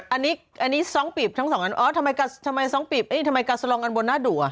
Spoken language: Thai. อันนี้ซองปีบทั้งสองอ๋อทำไมกัสลองอันบนน่าดุอ่ะ